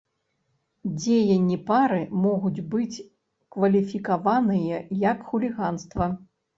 Дзеянні пары могуць быць кваліфікаваныя як хуліганства.